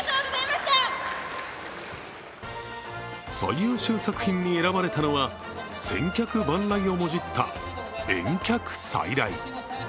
最優秀作品に選ばれたのは、千客万来をもじった遠客再来。